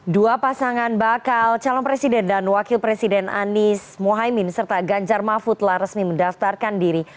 dua pasangan bakal calon presiden dan wakil presiden anies mohaimin serta ganjar mahfud telah resmi mendaftarkan diri